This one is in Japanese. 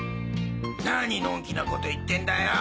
何のんきなこと言ってんだよ。